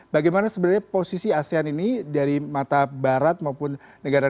bagaimana sebenarnya posisi asean ini dari mata barat maupun negara negara